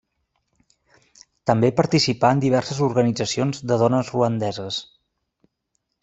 També participà en diverses organitzacions de dones ruandeses.